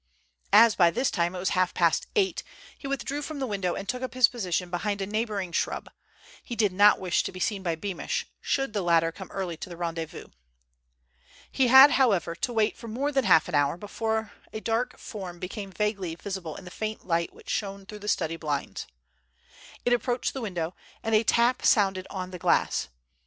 As by this time it was half past eight, he withdrew from the window and took up his position behind a neighboring shrub. He did not wish to be seen by Beamish, should the latter come early to the rendezvous. He had, however, to wait for more than half an hour before a dark form became vaguely visible in the faint light which shone through the study blinds. It approached the window, and a tap sounded on the glass.